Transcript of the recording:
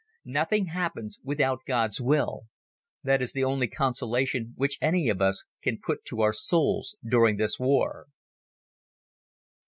Nothing happens without God's will. That is the only consolation which any of us can put to our souls during this war.